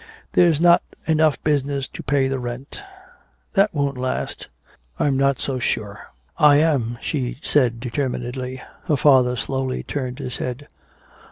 "There's not enough business to pay the rent." "That won't last " "I'm not so sure." "I am," she said determinedly. Her father slowly turned his head.